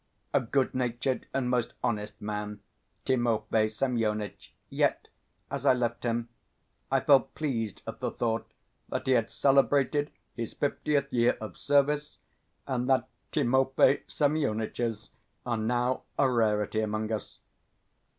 A good natured and most honest man, Timofey Semyonitch, yet, as I left him, I felt pleased at the thought that he had celebrated his fiftieth year of service, and that Timofey Semyonitchs are now a rarity among us.